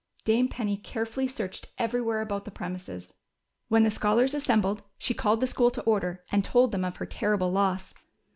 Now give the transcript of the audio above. Dame Penny carefully searched everywhere about the premises. When the scholars assembled she called the school to order, and told them of her terrible loss.